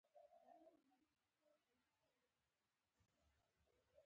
مریم منصف یوه افغانه وزیره وه.